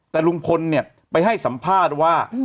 แต่ลุงพลเนี่ยไปให้สัมภาษณ์ว่า